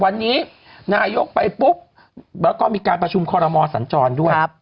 แล้วก็มีการประชุมขอลโรมอล์สัญจรด้วย